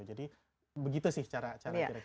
jadi begitu sih cara kira kira ini